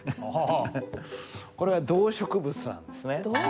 これは動植物なんですね。